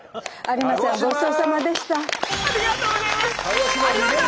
ありがとうございます！